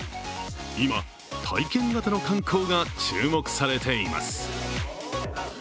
今、体験型の観光が注目されています。